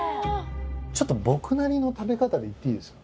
ちょっと僕なりの食べ方でいっていいですか？